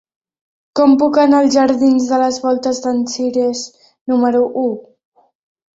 Com puc anar als jardins de les Voltes d'en Cirés número u?